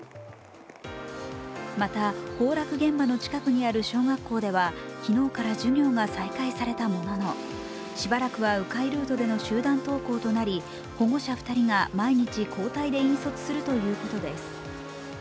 また、崩落現場の近くにある小学校では昨日から授業が再開されたもののしばらくはう回ルートでの集団登校となり、保護者２人が毎日、交代で引率するということです。